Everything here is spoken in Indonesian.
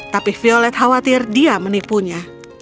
tapi violet khawatir dia menipunya